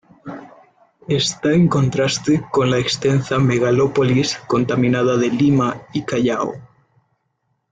Está en contraste con la extensa megalópolis contaminada de Lima y Callao.